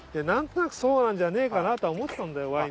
となくそうなんじゃねえかなとは思ってたんだよ